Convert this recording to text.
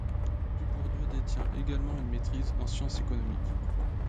Dubourdieu détient également une maîtrise en science économiques.